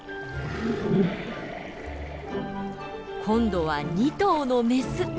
今度は２頭のメス。